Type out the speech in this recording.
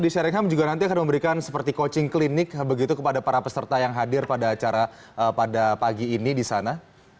di sharingham juga nanti akan memberikan seperti coaching klinik begitu kepada para peserta yang hadir pada acara pada pagi ini di sana